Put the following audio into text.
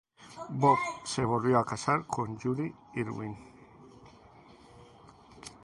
Bob se volvió a casar con Judy Irwin.